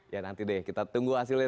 ya nanti deh kita tunggu hasilnya